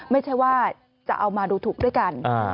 ไม่ใช่ว่าจะเอามาดูถูกด้วยกัน